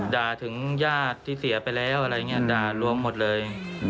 ด่าถึงญาติที่เสียไปแล้วอะไรอย่างนี้ด่าล้วงหมดเลย